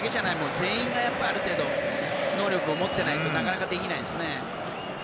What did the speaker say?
全員がある程度能力を持ってないとなかなかできないですね。